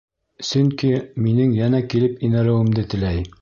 Сөнки минең йәнә килеп инәлеүемде теләй.